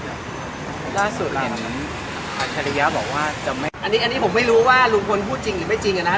อันนี้ผมไม่รู้ว่าลุงพลพูดจริงหรือไม่จริงนะครับ